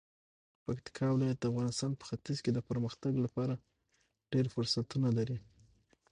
پکتیکا ولایت د افغانستان په ختیځ کې د پرمختګ لپاره ډیر فرصتونه لري.